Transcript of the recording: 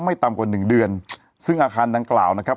ต่ำกว่าหนึ่งเดือนซึ่งอาคารดังกล่าวนะครับ